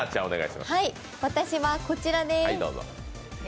私はこちらです。